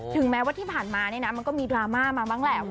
แม้ว่าที่ผ่านมาเนี่ยนะมันก็มีดราม่ามาบ้างแหละ